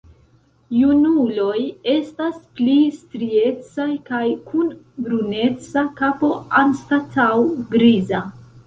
Junuloj estas pli striecaj kaj kun bruneca kapo anstataŭ griza.